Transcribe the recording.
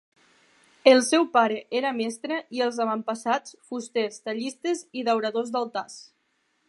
El seu pare era mestre i els avantpassats fusters, tallistes i dauradors d'altars.